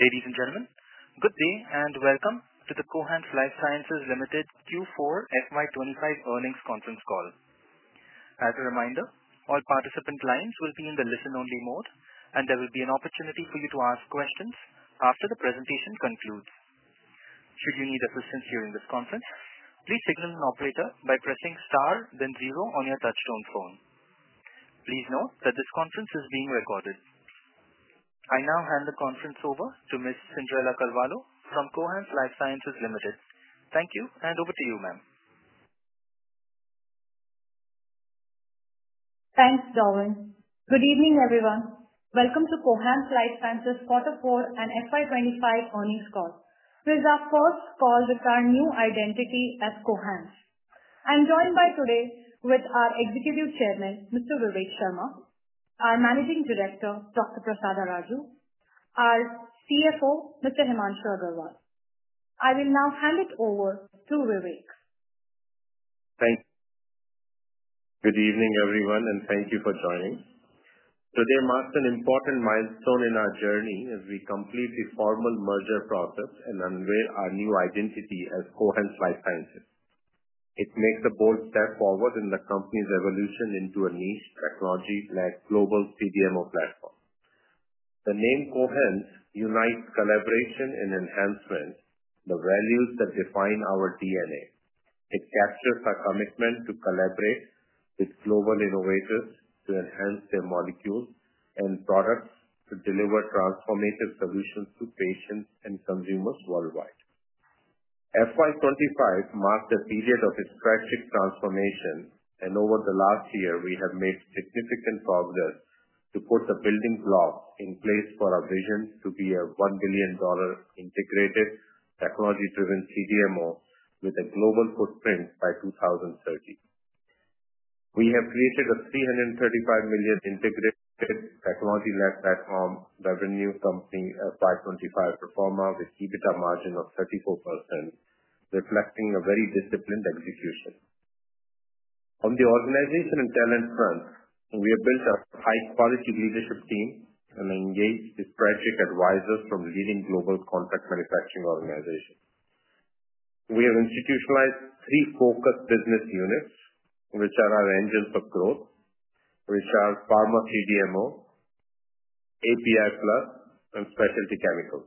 Ladies and gentlemen, good day and welcome to the Cohance Lifesciences Limited Q4 FY25 earnings conference call. As a reminder, all participant lines will be in the listen-only mode, and there will be an opportunity for you to ask questions after the presentation concludes. Should you need assistance during this conference, please signal an operator by pressing star, then zero on your touchstone phone. Please note that this conference is being recorded. I now hand the conference over to Ms. Cyndrella Carvalho from Cohance Lifesciences Limited. Thank you, and over to you, ma'am. Thanks, Dawin. Good evening, everyone. Welcome to Cohance Lifesciences Quarter Four and FY25 Earnings Call. This is our first call with our new identity as Cohance. I'm joined by today with our Executive Chairman, Mr. Vivek Sharma, our Managing Director, Dr. Prasada Raju, our CFO, Mr. Himanshu Agarwal. I will now hand it over to Vivek. Thank you. Good evening, everyone, and thank you for joining. Today marks an important milestone in our journey as we complete the formal merger process and unveil our new identity as Cohance Lifesciences. It marks a bold step forward in the company's evolution into a niche technology-led global CDMO platform. The name Cohance unites collaboration and enhancement, the values that define our DNA. It captures our commitment to collaborate with global innovators to enhance their molecules and products to deliver transformative solutions to patients and consumers worldwide. FY25 marks a period of strategic transformation, and over the last year, we have made significant progress to put the building blocks in place for our vision to be a $1 billion integrated technology-driven CDMO with a global footprint by 2030. We have created a $335 million integrated technology-led platform revenue company at FY 2025, performing with EBITDA margin of 34%, reflecting a very disciplined execution. On the organization and talent front, we have built a high-quality leadership team and engaged strategic advisors from leading global contract manufacturing organizations. We have institutionalized three focus business units, which are our engines of growth, which are pharma CDMO, API PLUS, and specialty chemicals,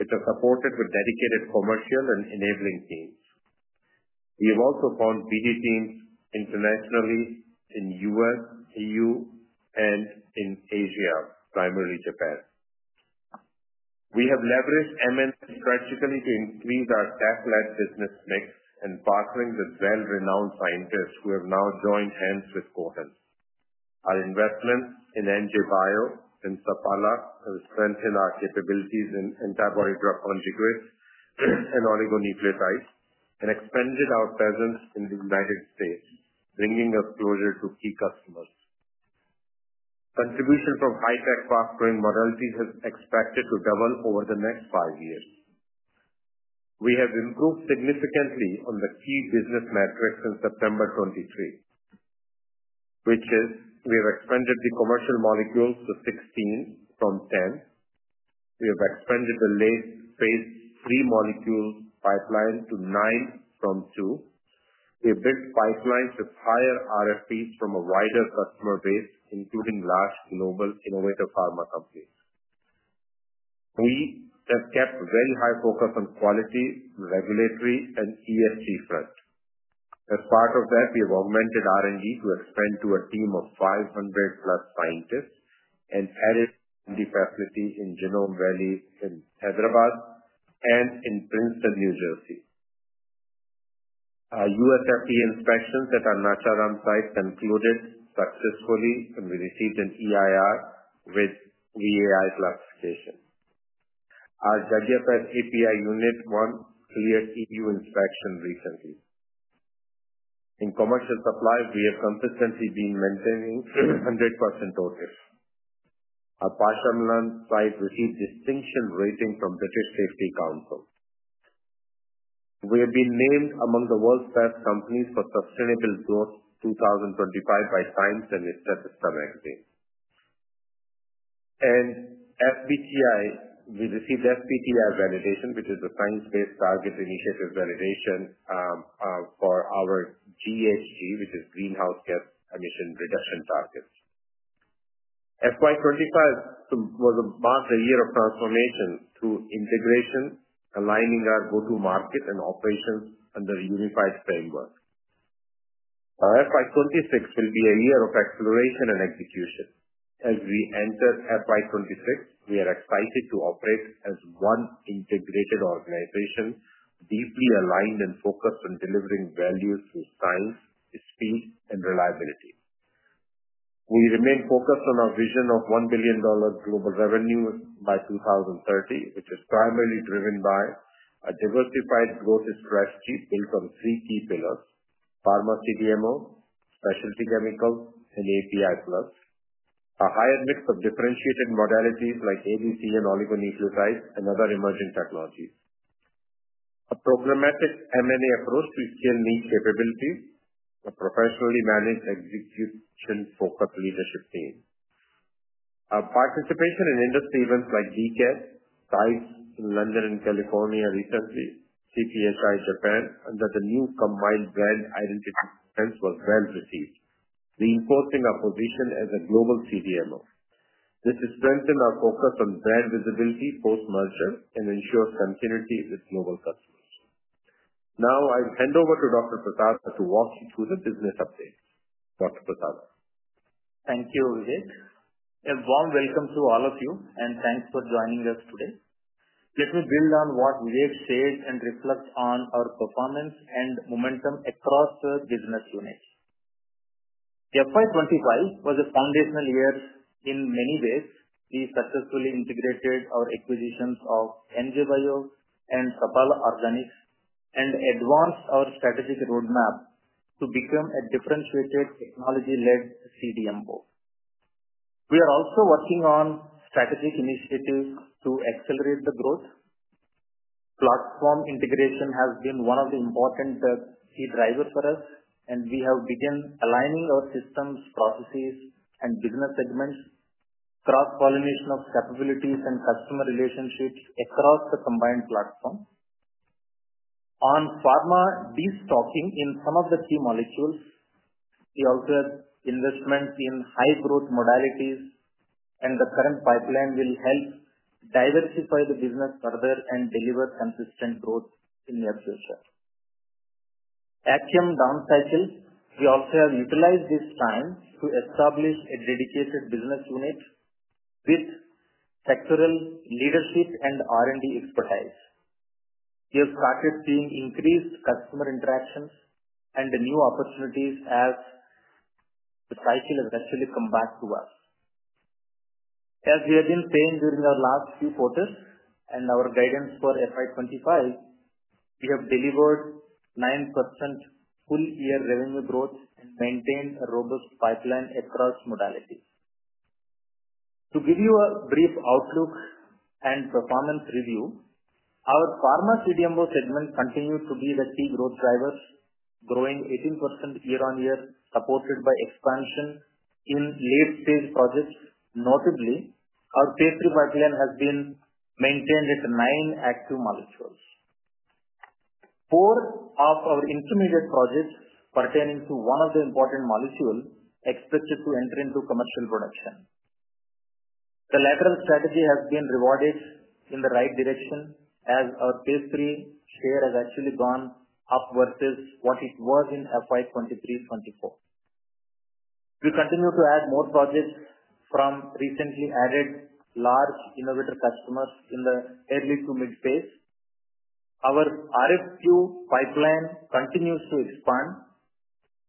which are supported with dedicated commercial and enabling teams. We have also formed BD teams internationally in the U.S., EU, and in Asia, primarily Japan. We have leveraged M&A strategically to increase our tech-led business mix and partner with well-renowned scientists who have now joined hands with Cohance. Our investment in NJ Bio and Sapala has strengthened our capabilities in antibody drug conjugates and oligonucleotides and expanded our presence in the United States, bringing us closer to key customers. Contribution from high-tech fast-growing modalities is expected to double over the next five years. We have improved significantly on the key business metrics since September 2023, which is we have expanded the commercial molecules to 16 from 10. We have expanded the late-phase three molecules pipeline to nine from two. We have built pipelines with higher RFPs from a wider customer base, including large global innovative pharma companies. We have kept a very high focus on quality, regulatory, and ESG front. As part of that, we have augmented R&D to expand to a team of 500-plus scientists and added the facility in Genome Valley in Hyderabad and in Princeton, New Jersey. Our USFDA inspections at our Nacharam site concluded successfully, and we received an EIR with VAI classification. Our Jadcherla API unit won clear EU inspection recently. In commercial supply, we have consistently been maintaining 100% OTIF. Our Pashamylaram site received distinction rating from British Safety Council. We have been named among the world's best companies for sustainable growth 2025 by Times and Statista Magazine. For SBTi, we received SBTi validation, which is a Science Based Targets initiative validation for our GHG, which is greenhouse gas emission reduction target. FY25 was marked a year of transformation through integration, aligning our go-to-market and operations under a unified framework. Our FY26 will be a year of acceleration and execution. As we enter FY26, we are excited to operate as one integrated organization, deeply aligned and focused on delivering value through science, speed, and reliability. We remain focused on our vision of $1 billion global revenue by 2030, which is primarily driven by a diversified growth strategy built on three key pillars: pharma CDMO, specialty chemicals, and API PLUS, a higher mix of differentiated modalities like ADC and oligonucleotides, and other emerging technologies. A programmatic M&A approach to scale niche capabilities, a professionally managed execution-focused leadership team. Our participation in industry events like DCAT, DICE in London and California recently, CPHI Japan under the new combined brand identity events was well received. Reinforcing our position as a global CDMO. This has strengthened our focus on brand visibility post-merger and ensures continuity with global customers. Now, I'll hand over to Dr. Prasada to walk you through the business updates. Dr. Prasada. Thank you, Vivek. A warm welcome to all of you, and thanks for joining us today. Let me build on what Vivek shared and reflect on our performance and momentum across the business unit. FY25 was a foundational year in many ways. We successfully integrated our acquisitions of NJ Bio and Sapala Organics and advanced our strategic roadmap to become a differentiated technology-led CDMO. We are also working on strategic initiatives to accelerate the growth. Platform integration has been one of the important key drivers for us, and we have begun aligning our systems, processes, and business segments, cross-pollination of capabilities and customer relationships across the combined platform. On pharma destocking in some of the key molecules, we also have investment in high-growth modalities, and the current pipeline will help diversify the business further and deliver consistent growth in the future. At Cohance Lifesciences, we also have utilized this time to establish a dedicated business unit with sectoral leadership and R&D expertise. We have started seeing increased customer interactions and new opportunities as the cycle has actually come back to us. As we have been saying during our last few quarters and our guidance for FY 2025, we have delivered 9% full-year revenue growth and maintained a robust pipeline across modalities. To give you a brief outlook and performance review, our pharma CDMO segment continued to be the key growth drivers, growing 18% year-on-year, supported by expansion in late-stage projects. Notably, our P3 pipeline has been maintained at nine active molecules. Four of our intermediate projects pertaining to one of the important molecules are expected to enter into commercial production. The lateral strategy has been rewarded in the right direction as our P3 share has actually gone up versus what it was in FY 2023-2024. We continue to add more projects from recently added large innovator customers in the early to mid phase. Our RFQ pipeline continues to expand,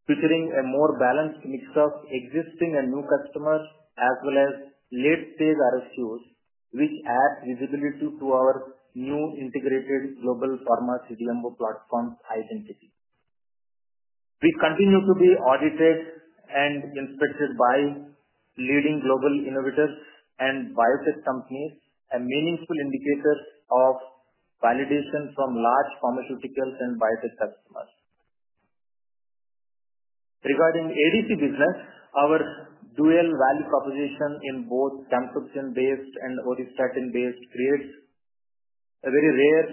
featuring a more balanced mix of existing and new customers as well as late-stage RFQs, which add visibility to our new integrated global pharma CDMO platform identity. We continue to be audited and inspected by leading global innovators and biotech companies, a meaningful indicator of validation from large pharmaceuticals and biotech customers. Regarding ADC business, our dual-value proposition in both camptothecin-based and auristatin-based creates a very rare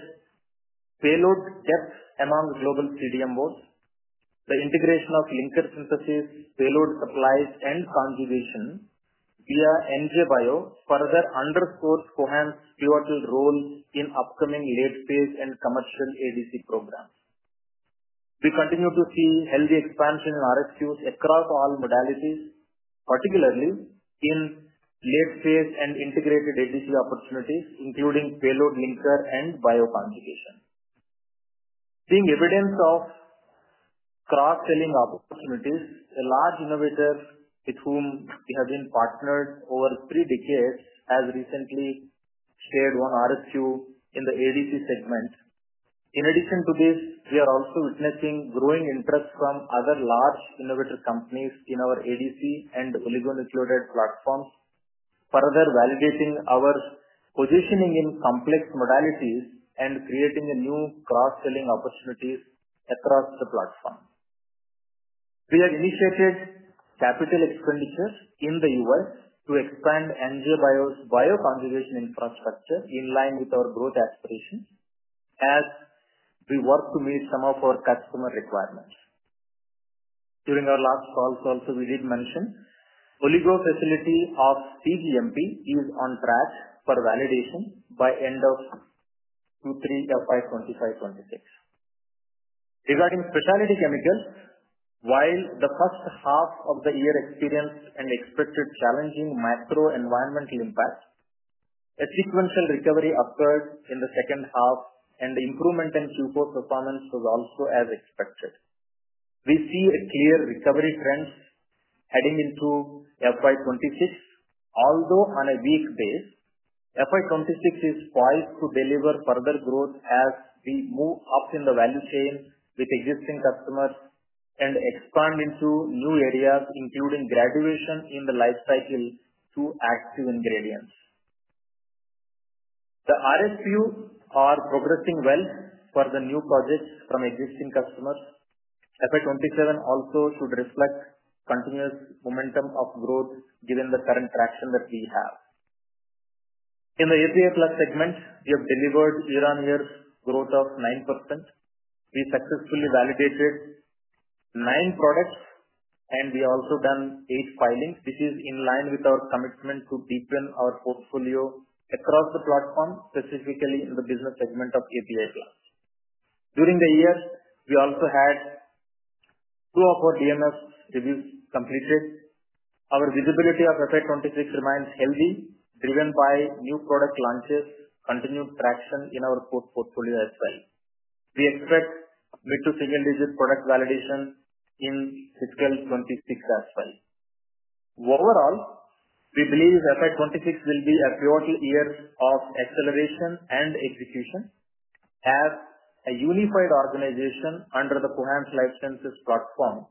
payload depth among global CDMOs. The integration of linker synthesis, payload supplies, and conjugation via NJ Bio further underscores Cohance's pivotal role in upcoming late-phase and commercial ADC programs. We continue to see healthy expansion in RFQs across all modalities, particularly in late-phase and integrated ADC opportunities, including payload linker and bioconjugation. Seeing evidence of cross-selling opportunities, a large innovator with whom we have been partnered over three decades has recently shared one RFQ in the ADC segment. In addition to this, we are also witnessing growing interest from other large innovator companies in our ADC and oligonucleotide platforms, further validating our positioning in complex modalities and creating new cross-selling opportunities across the platform. We have initiated capital expenditures in the U.S. to expand NJBio's bioconjugation infrastructure in line with our growth aspirations as we work to meet some of our customer requirements. During our last calls, also, we did mention the oligo facility of CGMP is on track for validation by the end of Q3 FY 2025-2026. Regarding specialty chemicals, while the first half of the year experienced and expected challenging macro-environmental impacts, a sequential recovery occurred in the second half, and improvement in Q4 performance was also as expected. We see clear recovery trends heading into FY 2026, although on a weak base. FY 2026 is poised to deliver further growth as we move up in the value chain with existing customers and expand into new areas, including graduation in the life cycle to active ingredients. The RFQs are progressing well for the new projects from existing customers. FY 2027 also should reflect the continuous momentum of growth given the current traction that we have. In the API PLUS segment, we have delivered year-on-year growth of 9%. We successfully validated nine products, and we have also done eight filings. This is in line with our commitment to deepen our portfolio across the platform, specifically in the business segment of API PLUS. During the year, we also had two of our DMF reviews completed. Our visibility of FY 2026 remains healthy, driven by new product launches, continued traction in our portfolio as well. We expect mid to single-digit product validation in FY 2026 as well. Overall, we believe FY 2026 will be a pivotal year of acceleration and execution. As a unified organization under the Cohance Lifesciences platform,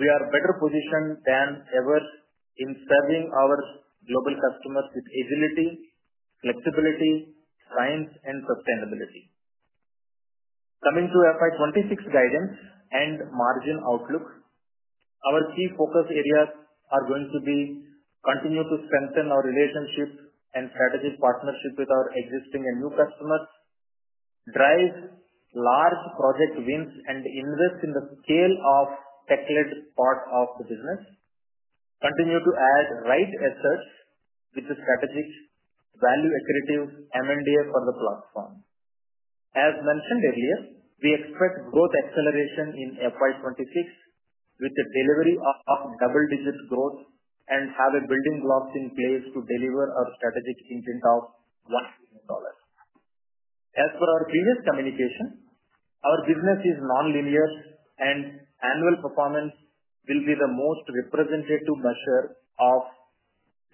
we are better positioned than ever in serving our global customers with agility, flexibility, science, and sustainability. Coming to FY 2026 guidance and margin outlook, our key focus areas are going to be to continue to strengthen our relationship and strategic partnership with our existing and new customers, drive large project wins, and invest in the scale of the tech-led part of the business. Continue to add right assets with the strategic value-accurative M&A for the platform. As mentioned earlier, we expect growth acceleration in FY 2026 with the delivery of double-digit growth and have a building block in place to deliver our strategic intent of $1 billion. As per our previous communication, our business is non-linear, and annual performance will be the most representative measure of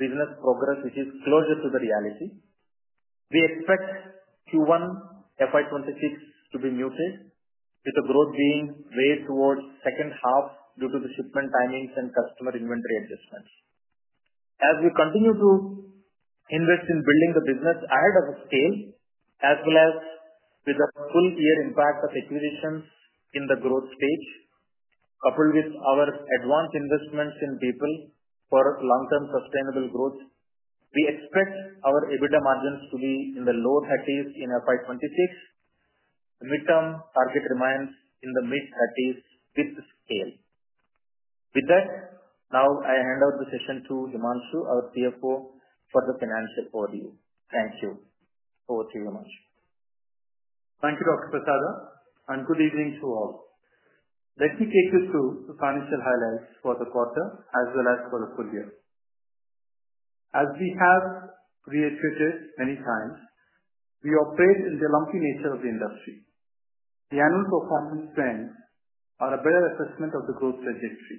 business progress, which is closer to the reality. We expect Q1 FY 2026 to be muted, with the growth being way towards the second half due to the shipment timings and customer inventory adjustments. As we continue to invest in building the business ahead of scale, as well as with the full-year impact of acquisitions in the growth stage, coupled with our advanced investments in people for long-term sustainable growth, we expect our EBITDA margins to be in the low 30% in FY 2026. The mid-term target remains in the mid 30s with scale. With that, now I hand over the session to Himanshu, our CFO, for the financial overview. Thank you. Over to you, Himanshu. Thank you, Dr. Prasada. Good evening to all. Let me take you through the financial highlights for the quarter as well as for the full year. As we have reiterated many times, we operate in the lumpy nature of the industry. The annual performance trends are a better assessment of the growth trajectory.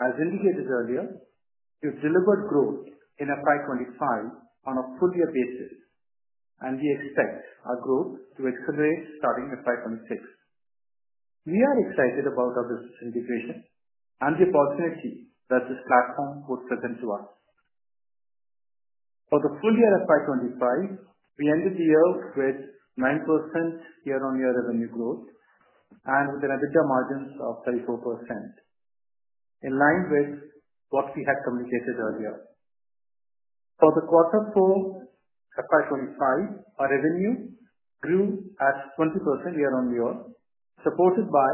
As indicated earlier, we have delivered growth in FY 2025 on a full-year basis, and we expect our growth to accelerate starting FY 2026. We are excited about our business integration and the opportunity that this platform would present to us. For the full year FY 2025, we ended the year with 9% year-on-year revenue growth and with an EBITDA margin of 34%, in line with what we had communicated earlier. For the quarter four FY 2025, our revenue grew at 20% year-on-year, supported by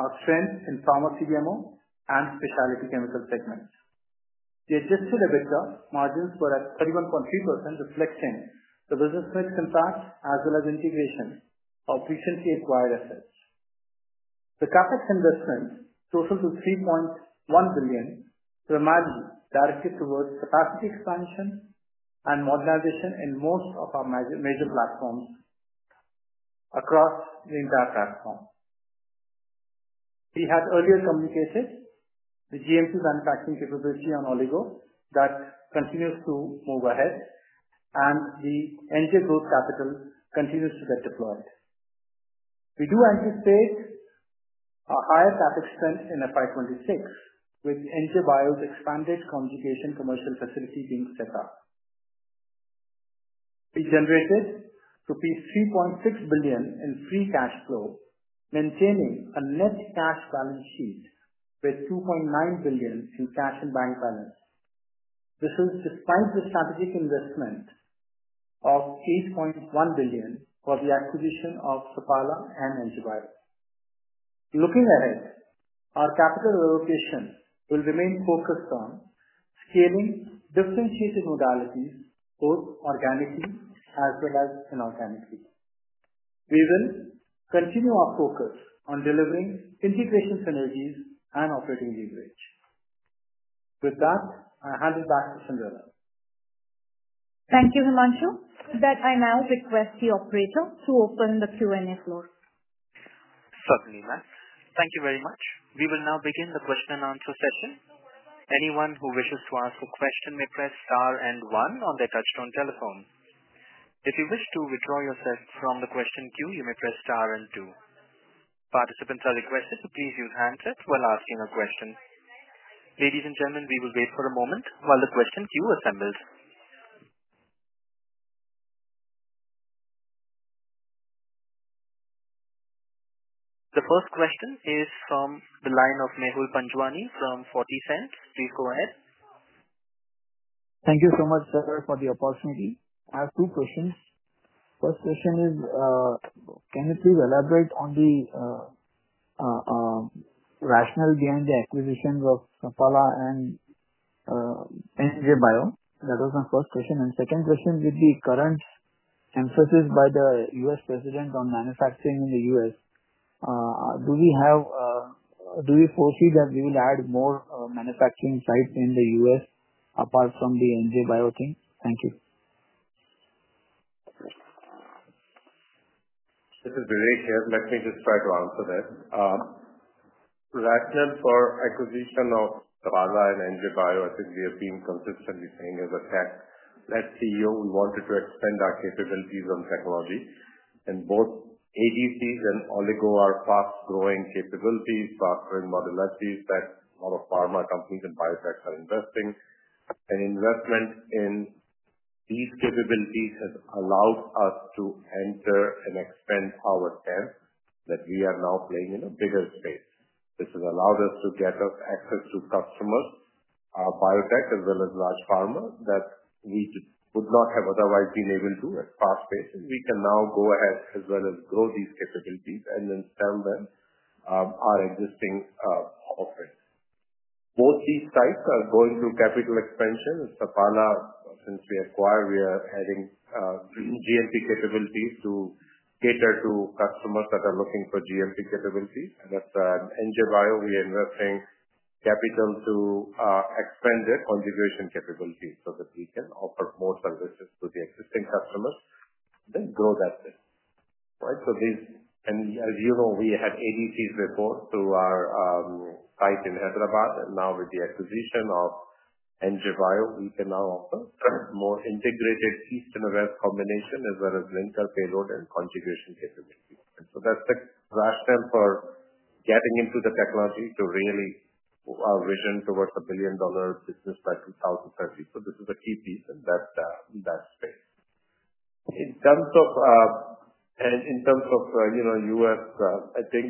our strength in pharma CDMO and specialty chemical segments. The adjusted EBITDA margins were at 31.3%, reflecting the business mix impact as well as integration of recently acquired assets. The CapEx investment totaled to 3.1 billion, primarily directed towards capacity expansion and modernization in most of our major platforms across the entire platform. We had earlier communicated the GMP manufacturing capability on oligo that continues to move ahead, and the NJ growth capital continues to get deployed. We do anticipate a higher CapEx spend in FY26, with NJ Bio's expanded conjugation commercial facility being set up. We generated rupees 3.6 billion in free cash flow, maintaining a net cash balance sheet with 2.9 billion in cash and bank balance. This is despite the strategic investment of 8.1 billion for the acquisition of Sapala and NJ Bio. Looking ahead, our capital allocation will remain focused on scaling differentiated modalities, both organically as well as inorganically. We will continue our focus on delivering integration synergies and operating leverage. With that, I hand it back to Sharma. Thank you, Himanshu. With that, I now request the operator to open the Q&A floor. Certainly, ma'am. Thank you very much. We will now begin the question-and-answer session. Anyone who wishes to ask a question may press star and one on their touchstone telephone. If you wish to withdraw yourself from the question queue, you may press star and two. Participants are requested to please use handsets while asking a question. Ladies and gentlemen, we will wait for a moment while the question queue assembles. The first question is from the line of Mehul Panjwani from 40 Cent. Please go ahead. Thank you so much, sir, for the opportunity. I have two questions. First question is, can you please elaborate on the rationale behind the acquisition of Sapala and NJ Bio? That was my first question. Second question, with the current emphasis by the U.S. president on manufacturing in the U.S., do we foresee that we will add more manufacturing sites in the U.S. apart from the NJ Bio thing? Thank you. This is Vivek Sharma. Let me just try to answer that. The rationale for the acquisition of Sapala and NJ Bio, as we have been consistently saying, is a tech. That CEO wanted to expand our capabilities on technology. Both ADCs and oligo are fast-growing capabilities, fast-growing modalities that a lot of pharma companies and biotechs are investing. Investment in these capabilities has allowed us to enter and expand our camp that we are now playing in a bigger space. This has allowed us to get access to customers, biotech, as well as large pharma that we would not have otherwise been able to at fast pace. We can now go ahead as well as grow these capabilities and then sell them our existing offerings. Both these sites are going through capital expansion. Sapala, since we acquired, we are adding GMP capabilities to cater to customers that are looking for GMP capabilities. At NJ Bio, we are investing capital to expand their conjugation capabilities so that we can offer more services to the existing customers and then grow that. Right? As you know, we had ADCs before through our site in Hyderabad. Now, with the acquisition of NJ Bio, we can now offer more integrated east and west combination as well as linker, payload, and conjugation capabilities. That is the rationale for getting into the technology to really our vision towards a $1 billion business by 2030. This is a key piece in that space. In terms of the U.S., I think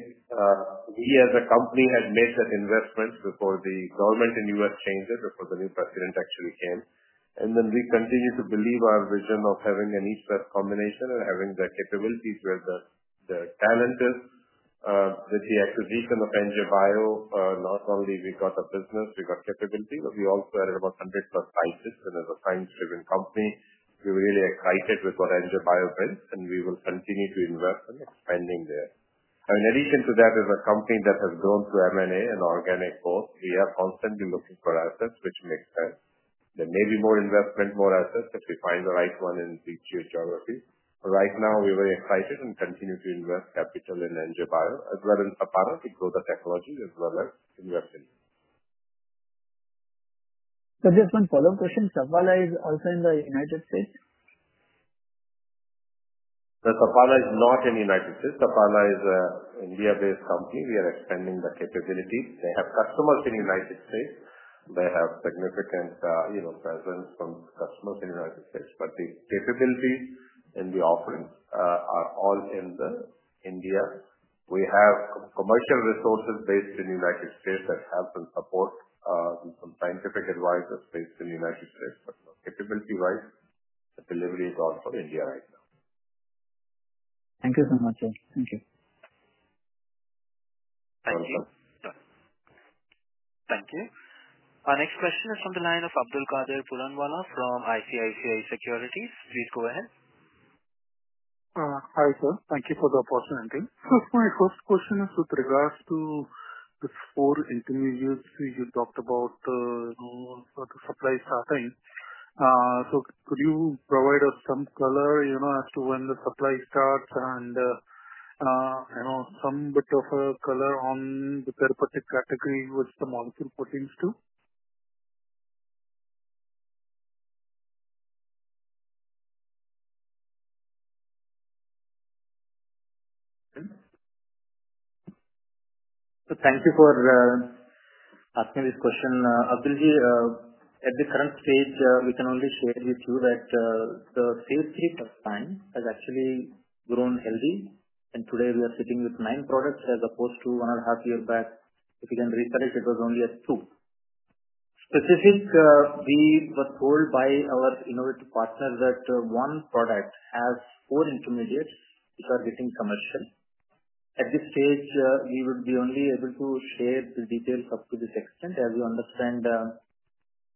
we as a company had made that investment before the government in the U.S. changed it, before the new president actually came. We continue to believe our vision of having an east-west combination and having the capabilities where the talent is. With the acquisition of NJ Bio, not only did we get a business, we got capability, but we also added about 100-plus sizes. As a science-driven company, we're really excited with what NJ Bio brings, and we will continue to invest and expand there. In addition to that, as a company that has grown through M&A and organic growth, we are constantly looking for assets, which makes sense. There may be more investment, more assets, if we find the right one in the geography. Right now, we're very excited and continue to invest capital in NJ Bio as well as Sapala to grow the technology as well as invest in it. Sir, just one follow-up question. Sapala is also in the United States? Sapala is not in the United States. Sapala is an India-based company. We are expanding the capabilities. They have customers in the United States. They have a significant presence from customers in the United States. The capabilities and the offerings are all in India. We have commercial resources based in the United States that help and support some scientific advisors based in the United States. Capability-wise, the delivery is also India right now. Thank you so much, sir. Thank you. Thank you. Thank you. Our next question is from the line of Abdulkader Puranwala from ICICI Securities. Please go ahead. Hi, sir. Thank you for the opportunity. My first question is with regards to the four intermediates you talked about for the supply starting. Could you provide us some color as to when the supply starts and some bit of a color on the therapeutic category with the molecule proteins too? Thank you for asking this question. Abdul Ji, at the current stage, we can only share with you that the phase three pipeline has actually grown healthy. Today, we are sitting with nine products as opposed to one and a half years back. If you can recall it, it was only at two. Specifically, we were told by our innovative partner that one product has four intermediates which are getting commercial. At this stage, we would be only able to share the details up to this extent. As you understand,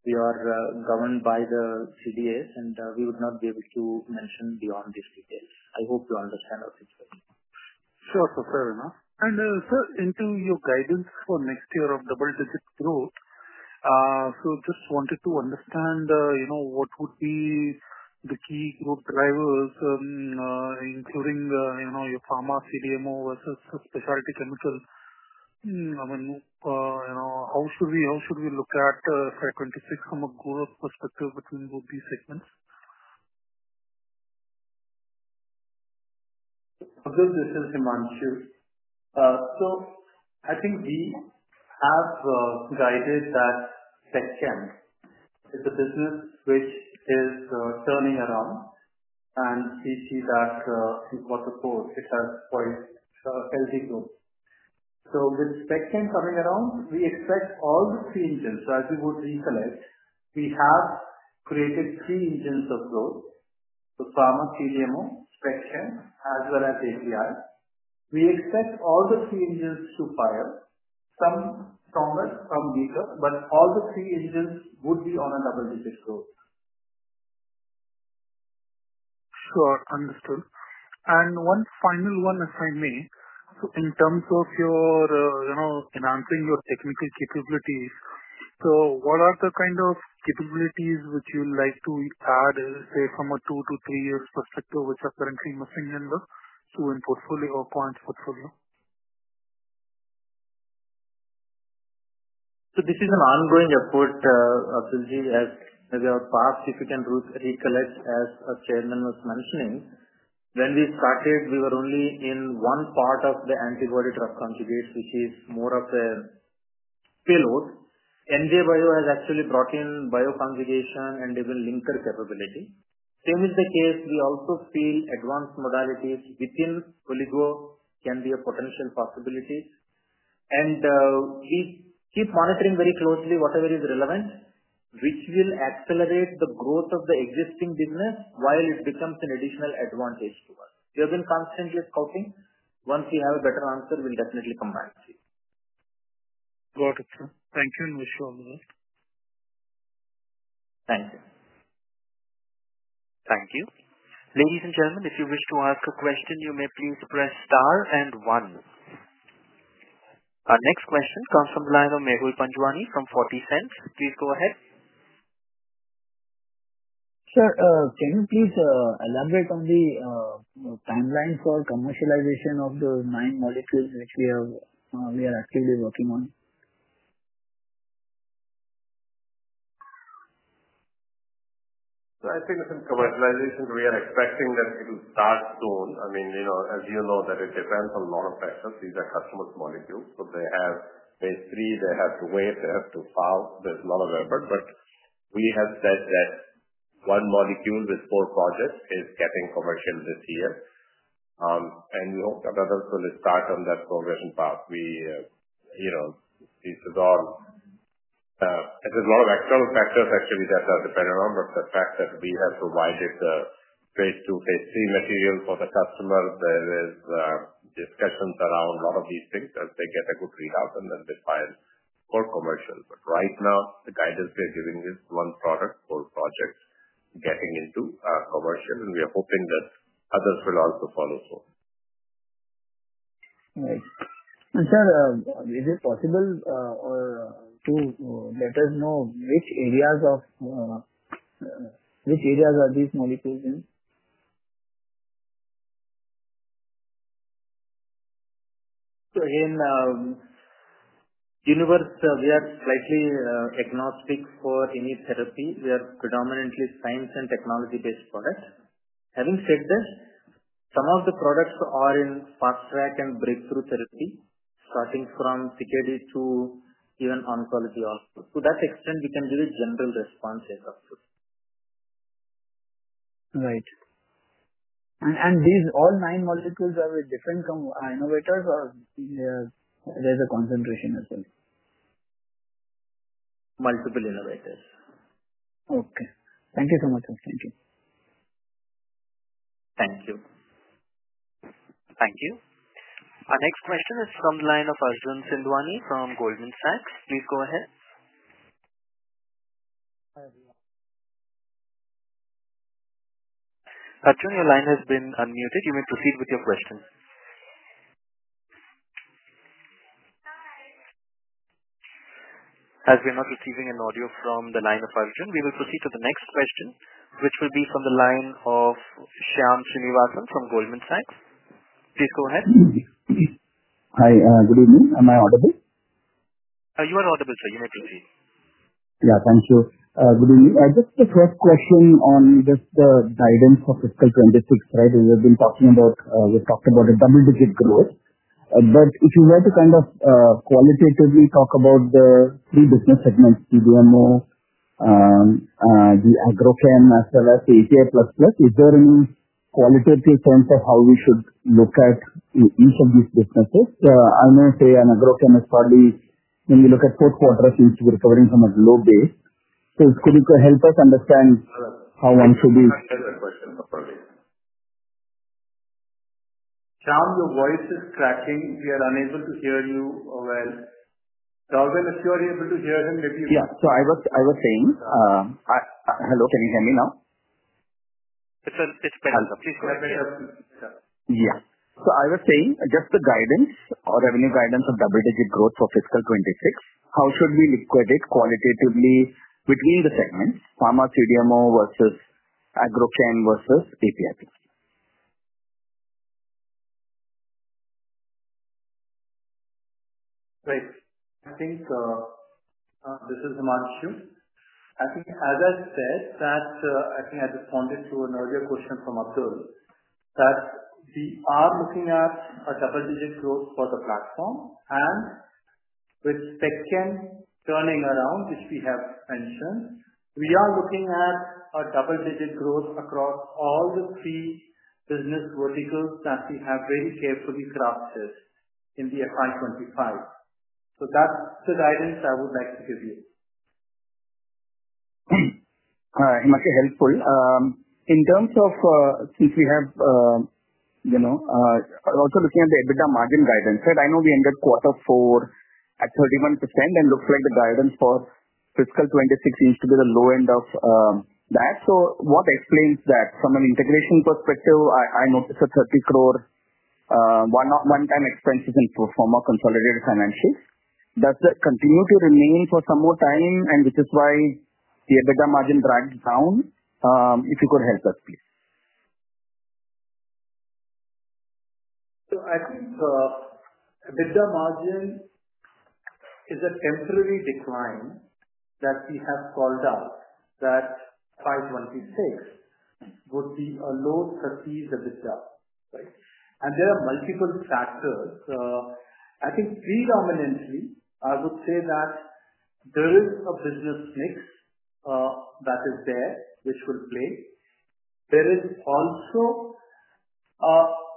we are governed by the CDAs, and we would not be able to mention beyond these details. I hope you understand our situation. Sure, sir. Fair enough. Sir, into your guidance for next year of double-digit growth, just wanted to understand what would be the key growth drivers, including your pharma CDMO versus specialty chemical. I mean, how should we look at 526 from a growth perspective between both these segments? Abdul Ji, this is Himanshu. I think we have guided that spec chem, it is a business which is turning around, and we see that in quarter four, it has quite healthy growth. With spec chem coming around, we expect all the three engines. As we would recollect, we have created three engines of growth: the pharma CDMO, spec chem, as well as API. We expect all the three engines to fire, some stronger, some weaker, but all the three engines would be on a double-digit growth. Sure. Understood. One final one if I may. In terms of enhancing your technical capabilities, what are the kind of capabilities which you'd like to add, say, from a two- to three-year perspective, which are currently missing in the Q1 portfolio or quarter portfolio? This is an ongoing effort, Abdul Ji, as maybe our past, if you can recollect, as Chairman was mentioning. When we started, we were only in one part of the antibody drug conjugates, which is more of a payload. NJ Bio has actually brought in bioconjugation and even linker capability. Same is the case. We also feel advanced modalities within oligo can be a potential possibility. We keep monitoring very closely whatever is relevant, which will accelerate the growth of the existing business while it becomes an additional advantage to us. We have been constantly scouting. Once we have a better answer, we'll definitely come back to you. Got it, sir. Thank you and wish you all the best. Thank you. Thank you. Ladies and gentlemen, if you wish to ask a question, you may please press star and one. Our next question comes from the line of Mehul Panjwani from 40 Cent. Please go ahead. Sir, can you please elaborate on the timeline for commercialization of the nine molecules which we are actively working on? I think in commercialization, we are expecting that it will start soon. I mean, as you know, it depends on a lot of factors. These are customers' molecules. They have phase three, they have to wait, they have to file. There is a lot of effort. We have said that one molecule with four projects is getting commercial this year. We hope that others will start on that progression path. There are a lot of external factors actually that are dependent on, but the fact that we have provided phase two, phase three material for the customer, there are discussions around a lot of these things as they get a good readout and then they file for commercial. Right now, the guidance we are giving is one product, four projects getting into commercial, and we are hoping that others will also follow suit. Nice. Sir, is it possible to let us know which areas are these molecules in? In universe, we are slightly agnostic for any therapy. We are predominantly science and technology-based products. Having said that, some of the products are in fast-track and breakthrough therapy, starting from CKD to even oncology also. To that extent, we can give a general response as of today. Right. Are these all nine molecules with different innovators or is there a concentration as well? Multiple innovators. Okay. Thank you so much, sir. Thank you. Thank you. Thank you. Our next question is from the line of Arjun Sindwani from Goldman Sachs. Please go ahead. Arjun, your line has been unmuted. You may proceed with your question. As we are not receiving an audio from the line of Arjun, we will proceed to the next question, which will be from the line of Shyam Srinivasan from Goldman Sachs. Please go ahead. Hi. Good evening. Am I audible? You are audible, sir. You may proceed. Yeah. Thank you. Good evening. Just the first question on just the guidance for FIscal 2026, right? We have been talking about, we talked about a double-digit growth. If you were to kind of qualitatively talk about the three business segments, CDMO, the agrochem, as well as the API PLUS, is there any qualitative sense of how we should look at each of these businesses? I know, say, an agrochem is probably, when you look at four quarters, it seems to be recovering from a low base. Could you help us understand how one should be? I have a question for you. Shyam, your voice is cracking. We are unable to hear you well. Darwin, if you are able to hear him, maybe you can. Yeah. I was saying hello? Can you hear me now? It's better. Please go ahead. Yeah. So I was saying just the guidance or revenue guidance of double-digit growth for fiscal 2026, how should we liquidate qualitatively between the segments, pharma CDMO versus AgroChem versus API PLUS? Great. I think this is Himanshu. I think, as I said, I just wanted to know your question from Abdul that we are looking at a double-digit growth for the platform. With spec camp turning around, which we have mentioned, we are looking at a double-digit growth across all the three business verticals that we have very carefully crafted in the FY25. That is the guidance I would like to give you. All right. Much helpful. In terms of since we have also looking at the EBITDA margin guidance, right? I know we ended quarter four at 31%, and it looks like the guidance for Fiscal 2026 seems to be the low end of that. What explains that? From an integration perspective, I noticed a 30 crore one-time expenses in the form of consolidated financials. Does that continue to remain for some more time, and which is why the EBITDA margin drags down? If you could help us, please. I think EBITDA margin is a temporary decline that we have called out that FY26 would be a low-perceived EBITDA, right? There are multiple factors. I think predominantly, I would say that there is a business mix that is there which will play. There is also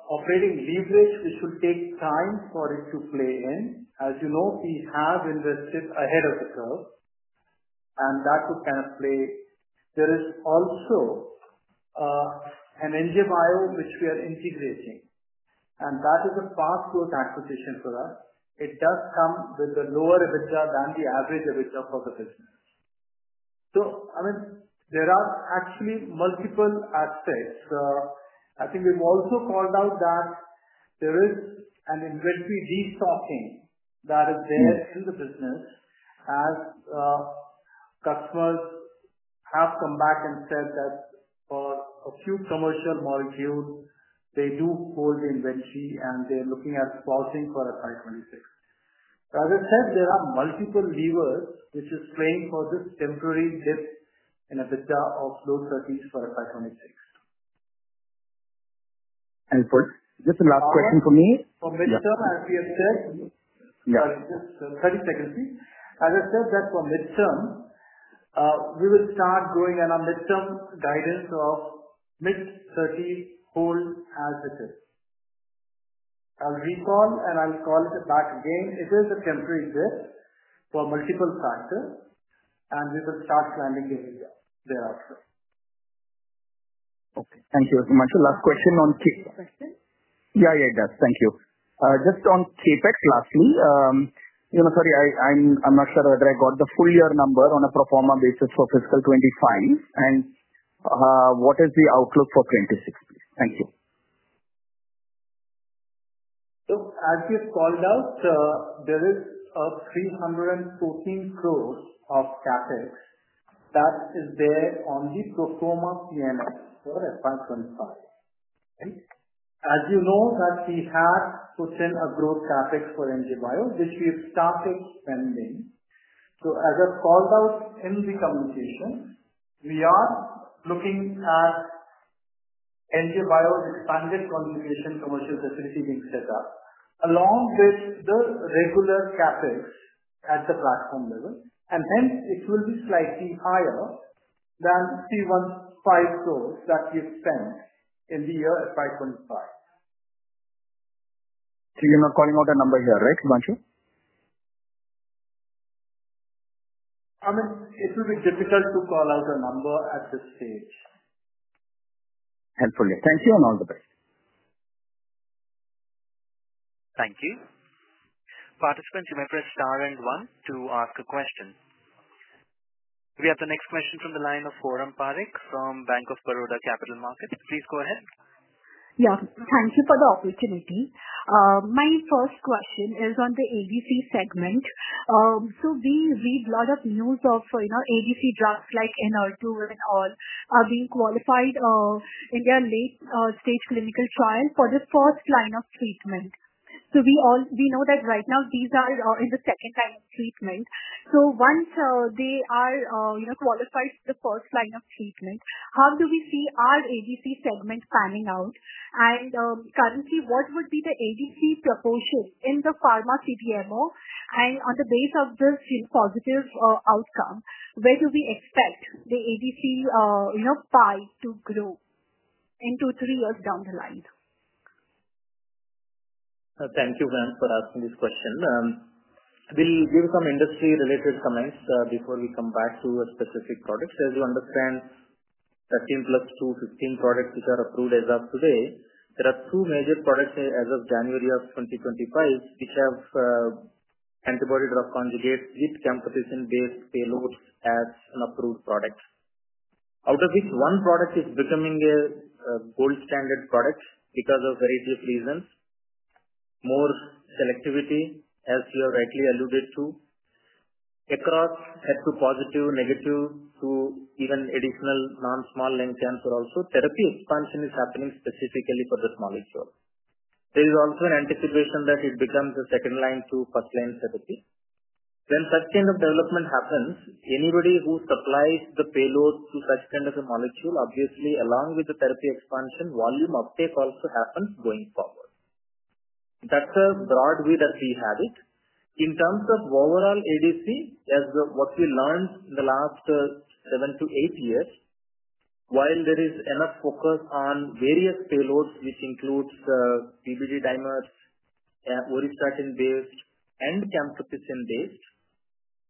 operating leverage which will take time for it to play in. As you know, we have invested ahead of the curve, and that would kind of play. There is also an NJ Bio which we are integrating, and that is a fast-growth acquisition for us. It does come with a lower EBITDA than the average EBITDA for the business. I mean, there are actually multiple aspects. I think we've also called out that there is an inventory restocking that is there in the business as customers have come back and said that for a few commercial molecules, they do hold the inventory, and they're looking at pausing for FY 2026. As I said, there are multiple levers which are playing for this temporary dip in EBITDA of low 30% for FY 2026. Helpful. Just a last question for me. For midterm, as we have said, just 30 seconds, please. As I said, that for midterm, we will start going on a midterm guidance of mid-30 hold as it is. I'll recall, and I'll call it back again. It is a temporary dip for multiple factors, and we will start planning the EBITDA thereafter. Okay. Thank you, Himanshu. Last question on. Question? Yeah, yeah, it does. Thank you. Just on CapEx lastly, sorry, I'm not sure whether I got the full year number on a pro forma basis for fiscal 2025, and what is the outlook for 2026, please? Thank you. As you called out, there is 3.14 billion of CapEx that is there on the pro forma PMF for FY25, right? As you know, we had put in a growth CapEx for NJ Bio, which we have started spending. As I called out in the communication, we are looking at NJ Bio's expanded conjugation commercial facility being set up along with the regular CapEx at the platform level. Hence, it will be slightly higher than the 150 million that we have spent in the year FY25. You're not calling out a number here, right, Himanshu? I mean, it will be difficult to call out a number at this stage. Helpful. Thank you and all the best. Thank you. Participants, you may press star and one to ask a question. We have the next question from the line of Foram Parekh from Bank of Baroda Capital Markets. Please go ahead. Yeah. Thank you for the opportunity. My first question is on the ADC segment. We read a lot of news of ADC drugs like Enhertu and all being qualified in their late-stage clinical trial for the first line of treatment. We know that right now, these are in the second line of treatment. Once they are qualified for the first line of treatment, how do we see our ADC segment panning out? Currently, what would be the ADC proportion in the pharma CDMO? On the basis of this positive outcome, where do we expect the ADC pie to grow in two, three years down the line? Thank you, Foram, for asking this question. We'll give some industry-related comments before we come back to specific products. As you understand, 13 plus 2, 15 products which are approved as of today. There are two major products as of January of 2025 which have antibody drug conjugates with chem-position-based payloads as an approved product, out of which one product is becoming a gold-standard product because of a variety of reasons. More selectivity, as you have rightly alluded to, across HER2-positive, negative, to even additional Non-Small Lung Cancer also. Therapy expansion is happening specifically for this molecule. There is also an anticipation that it becomes a second line to first-line therapy. When such kind of development happens, anybody who supplies the payload to such kind of a molecule, obviously, along with the therapy expansion, volume uptake also happens going forward. That's a broad view that we have it. In terms of overall ADC, as what we learned in the last seven to eight years, while there is enough focus on various payloads which include PBD dimers, auristatin-based, and chem-position-based,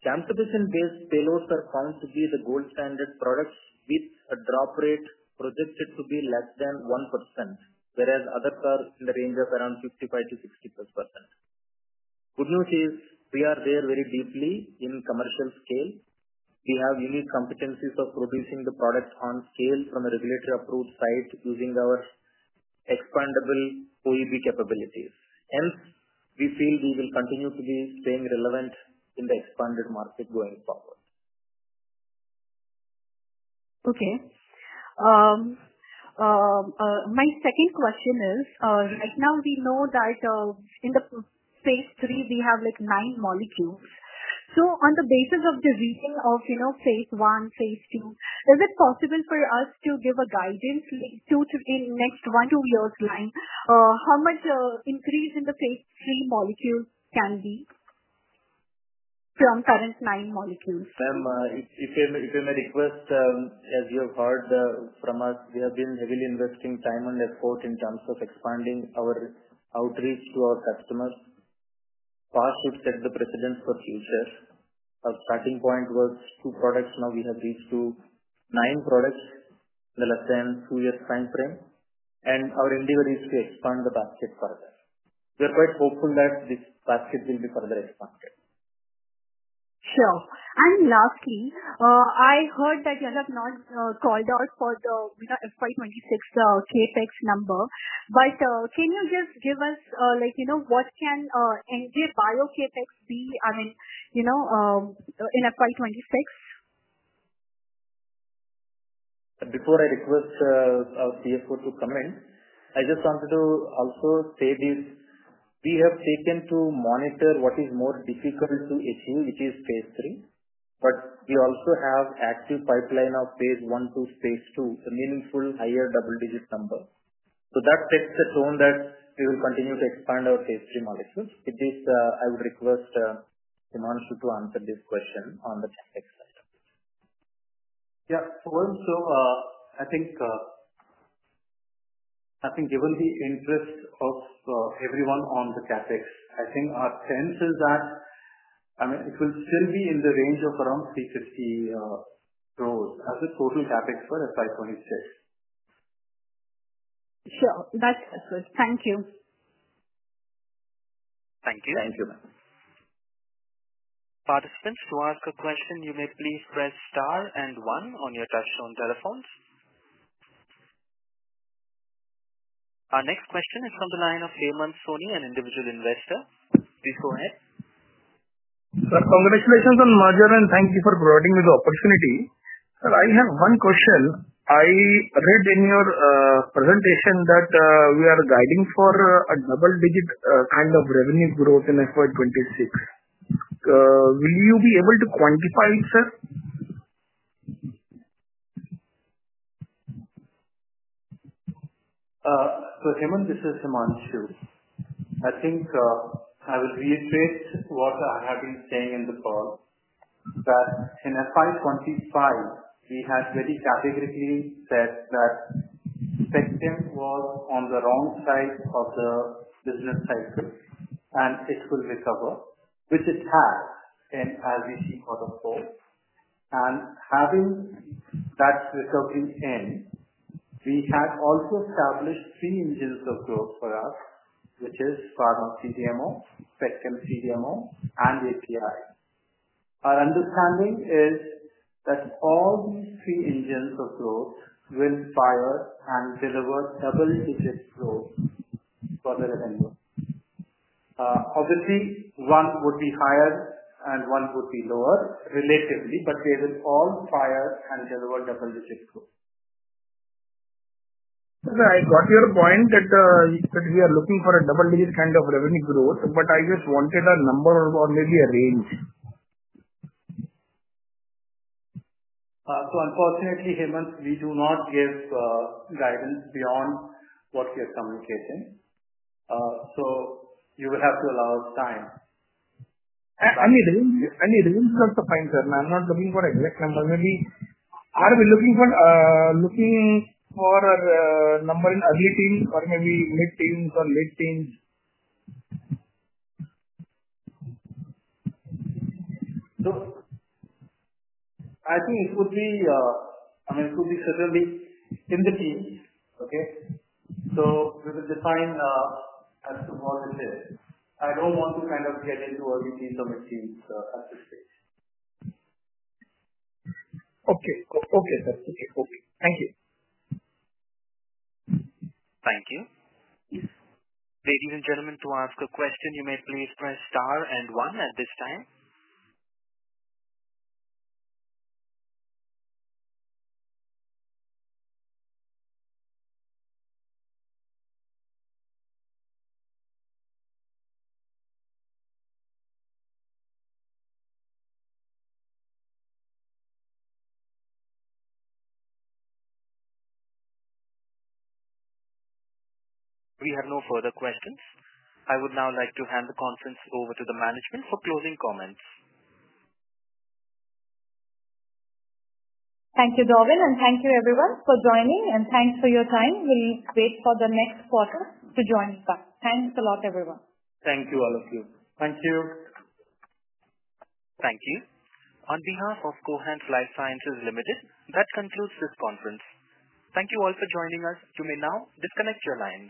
chem-position-based payloads are found to be the gold-standard products with a drop rate projected to be less than 1%, whereas others are in the range of around 55-60% plus. Good news is we are there very deeply in commercial scale. We have unique competencies of producing the product on scale from a regulatory-approved site using our expandable OEB capabilities. Hence, we feel we will continue to be staying relevant in the expanded market going forward. Okay. My second question is, right now, we know that in phase three, we have nine molecules. So on the basis of the reading of phase one, phase two, is it possible for us to give a guidance in the next one to two years' line how much increase in the phase three molecules can be from current nine molecules? Foram, if you may request, as you have heard from us, we have been heavily investing time and effort in terms of expanding our outreach to our customers. PAH should set the precedent for the future. Our starting point was two products. Now, we have reached to nine products in the less than two-year time frame. Our endeavor is to expand the basket further. We are quite hopeful that this basket will be further expanded. Sure. Lastly, I heard that you have not called out for the FY26 CapEx number, but can you just give us what can NJ Bio CapEx be, I mean, in FY26? Before I request our CFO to come in, I just wanted to also say this. We have taken to monitor what is more difficult to achieve, which is phase three, but we also have an active pipeline of phase one to phase two, a meaningful higher double-digit number. That sets the tone that we will continue to expand our phase three molecules. With this, I would request Himanshu to answer this question on the CapEx side. Yeah. Foram, so I think given the interest of everyone on the CapEx, I think our sense is that, I mean, it will still be in the range of around 3.5 billion as a total CapEx for FY26. Sure. That's good. Thank you. Thank you. Thank you, Foram. Participants, to ask a question, you may please press star and one on your touch-tone telephones. Our next question is from the line of Hemant Soni, an individual investor. Please go ahead. Sir, congratulations on the merger, and thank you for providing me the opportunity. Sir, I have one question. I read in your presentation that we are guiding for a double-digit kind of revenue growth in FY26. Will you be able to quantify it, sir? Hemant, this is Himanshu. I think I will reiterate what I have been saying in the call that in FY 2025, we had very categorically said that spec chem was on the wrong side of the business cycle, and it will recover, which it has as we see quarter four. Having that recovery in, we had also established three engines of growth for us, which are pharma CDMO, spec chem CDMO, and API. Our understanding is that all these three engines of growth will fire and deliver double-digit growth for the revenue. Obviously, one would be higher and one would be lower relatively, but they will all fire and deliver double-digit growth. Sir, I got your point that we are looking for a double-digit kind of revenue growth, but I just wanted a number or maybe a range. Unfortunately, Hemant, we do not give guidance beyond what we are communicating. You will have to allow us time. I mean, I need a research to find, sir. I'm not looking for an exact number. Maybe are we looking for a number in early teens or maybe mid teens or late teens? I think it would be, I mean, it would be certainly in the teens, okay? We will define as to what it is. I do not want to kind of get into early teens or mid-teens at this stage. Okay. Okay, sir. Thank you. Thank you. Ladies and gentlemen, to ask a question, you may please press star and one at this time. We have no further questions. I would now like to hand the conference over to the management for closing comments. Thank you, Darwin, and thank you, everyone, for joining, and thanks for your time. We'll wait for the next quarter to join us. Thanks a lot, everyone. Thank you, all of you. Thank you. Thank you. On behalf of Cohance Lifesciences Limited, that concludes this conference. Thank you all for joining us. You may now disconnect your line.